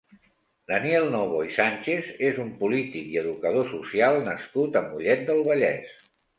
Daniel Novo i Sánchez és un polític i educador social nascut a Mollet del Vallès.